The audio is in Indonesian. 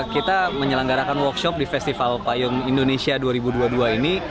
kita menyelenggarakan workshop di festival payung indonesia dua ribu dua puluh dua ini